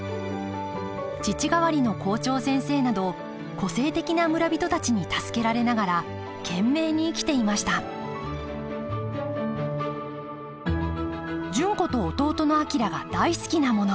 父代わりの校長先生など個性的な村人たちに助けられながら懸命に生きていました純子と弟の昭が大好きなもの。